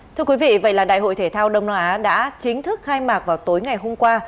thưa quý vị vậy là đại hội thể thao đông nam á đã chính thức khai mạc vào tối ngày hôm qua